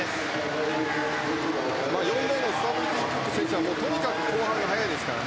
４レーンのスタブルティ・クック選手はとにかく後半が速いですから。